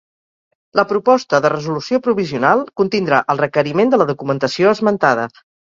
La proposta de resolució provisional contindrà el requeriment de la documentació esmentada.